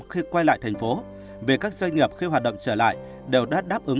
khi quay lại tp hcm vì các doanh nghiệp khi hoạt động trở lại đều đã đáp ứng